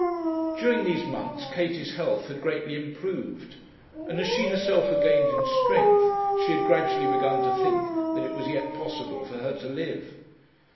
During these months Katie's health had greatly improved, and as she herself had gained in strength, she had gradually begun to think that it was yet possible for her to live.